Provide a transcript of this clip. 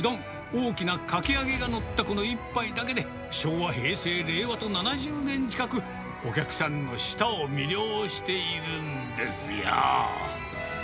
大きなかき揚げが載ったこの一杯だけで、昭和、平成、令和と７０年近く、お客さんの舌を魅了しているんですよ。